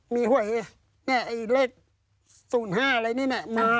มีห้วยเลข๐๕อะไรนี่แหละ